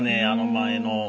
あの前の。